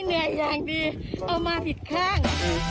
วิ่งไปเหนือยางดีเอามาผิดข้าง